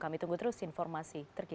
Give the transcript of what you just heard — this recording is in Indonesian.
kami tunggu terus informasi terkini